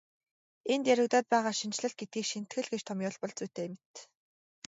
Энд яригдаад байгаа шинэчлэл гэдгийг шинэтгэл гэж томьёолбол зүйтэй мэт.